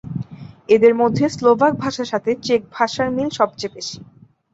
এদের মধ্যে স্লোভাক ভাষার সাথে চেক ভাষার মিল সবচেয়ে বেশি।